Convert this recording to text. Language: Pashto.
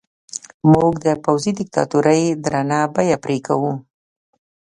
موږ د پوځي دیکتاتورۍ درنه بیه پرې کوو.